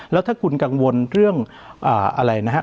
แล้วถ้าคุณกังวลเรื่องอะไรนะฮะ